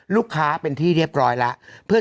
ลูกค้าเป็นที่เรียบร้อยแล้ว